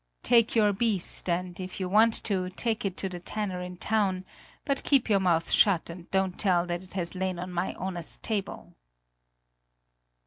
Take your beast and, if you want to, take it to the tanner in town, but keep your mouth shut and don't tell that it has lain on my honest table."